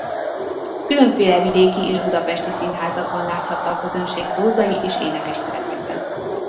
Különféle vidéki és budapesti színházakban láthatta a közönség prózai és énekes szerepekben.